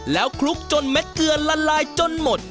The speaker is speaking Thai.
แล้วคลุกจนเม็ดเกลือละลายจนหมด